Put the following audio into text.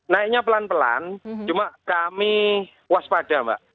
naiknya pelan pelan cuma kami waspada mbak